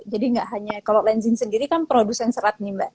jadi nggak hanya kalau lenzin sendiri kan produsen serat nih mbak